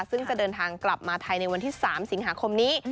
ซึ่งจะเดินทางกลับมาไทยในวันที่๓สิงหาคมนี้